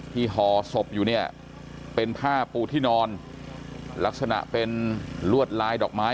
ห่อศพอยู่เนี่ยเป็นผ้าปูที่นอนลักษณะเป็นลวดลายดอกไม้